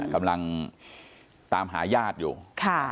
กำลังตามหายาทอยู่นะครับ